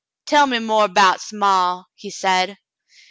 "Tell me more 'bouts maw," he said.